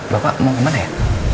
bapak mau ke mana ya